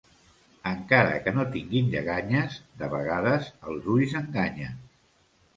Encara que no tinguin lleganyes, de vegades els ulls enganyen.